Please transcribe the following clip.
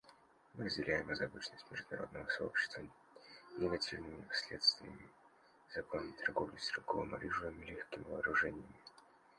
Мы разделяем озабоченность международного сообщества негативными последствиями незаконной торговли стрелковым оружием и легкими вооружениями.